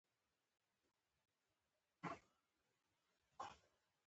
د ژمنتيا څرګندونه کوي؛